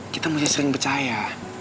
kita mesti sering percaya